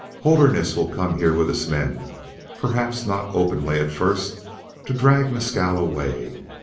Holderness will come here with his men, perhaps not openly at first, to drag Mescal away.